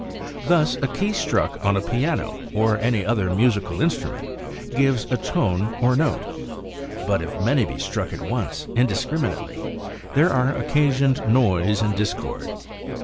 Thus, a key struck on a piano or other musical instrument gives a tone or note ; but if many be struck at once, indiscriminately, there are occasioned noise and discord.